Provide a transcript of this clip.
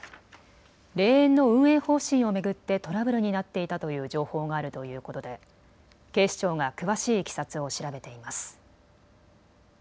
霊園の運営方針を巡ってトラブルになっていたという情報があるということで警視庁が詳しいいきさつを調べています。